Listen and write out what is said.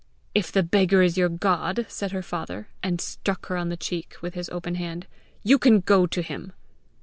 "If the beggar is your god," said her father, and struck her on the cheek with his open hand, "you can go to him!"